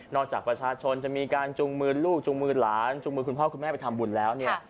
จากประชาชนจะมีการจูงมือลูกจูงมือหลานจูงมือคุณพ่อคุณแม่ไปทำบุญแล้วเนี่ย